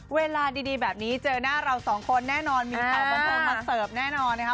เวลาดีแบบนี้เจอหน้าเราสองคนแน่นอนมีข่าวบันเทิงมาเสิร์ฟแน่นอนนะคะ